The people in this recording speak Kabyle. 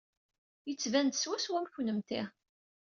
Yettban-d swaswa am kennemti.